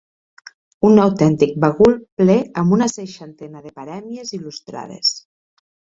Un autèntic bagul ple amb una seixantena de parèmies il·lustrades.